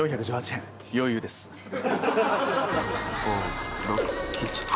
５・６・７・８。